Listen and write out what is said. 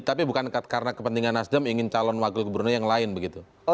tapi bukan karena kepentingan nasdem ingin calon wakil gubernurnya yang lain begitu